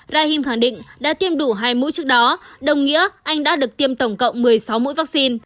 brahim khẳng định đã tiêm đủ hai mũi trước đó đồng nghĩa anh đã được tiêm tổng cộng một mươi sáu mũi vaccine